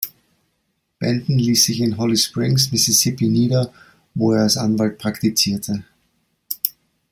Benton ließ sich in Holly Springs, Mississippi nieder, wo er als Anwalt praktizierte.